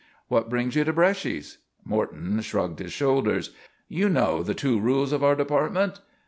"What brings you to Bresci's?" Morton shrugged his shoulders. "You know the two rules of our department?"